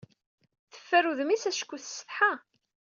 Teffer udem-is acku tessetḥa.